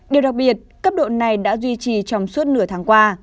điều đặc biệt cấp độ này đã duy trì trong suốt nửa tháng qua